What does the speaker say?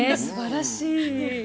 すばらしい。